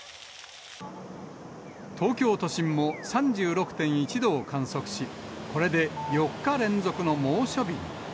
東京都心も３６．１度を観測し、これで４日連続の猛暑日に。